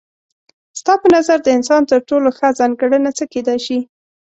ستا په نظر د انسان تر ټولو ښه ځانګړنه څه کيدای شي؟